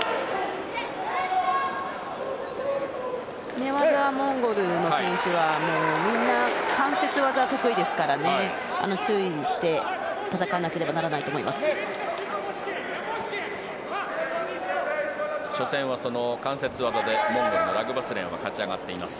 寝技はモンゴルの選手はみんな関節技が得意ですからね注意して戦わなければならないと思います。